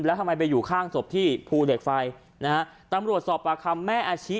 แล้วทำไมไปอยู่ข้างศพที่ภูเหล็กไฟนะฮะตำรวจสอบปากคำแม่อาชิ